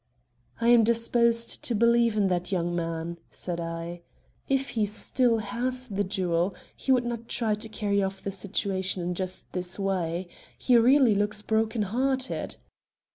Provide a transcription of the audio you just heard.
"I am disposed to believe in that young man," said I. "If he still has the jewel, he would not try to carry off the situation in just this way. He really looks broken hearted."